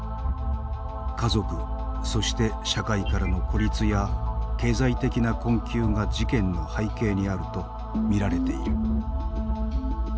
家族そして社会からの孤立や経済的な困窮が事件の背景にあるとみられている。